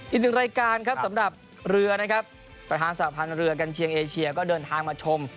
อีกหนึ่งรายการครับสำหรับเรือนะครับประธานสหพันธ์เรือกัญเชียงเอเชียก็เดินทางมาชม